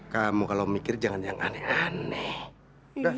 tapi apalagi apa yang ibu inginkanventh